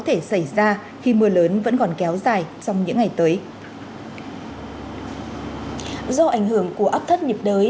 thể xảy ra khi mưa lớn vẫn còn kéo dài trong những ngày tới do ảnh hưởng của áp thấp nhiệt đới